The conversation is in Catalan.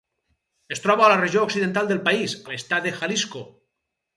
Es troba a la regió occidental del país, a l'estat de Jalisco.